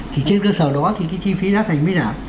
thì trên cơ sở đó thì cái chi phí giá thành mới giảm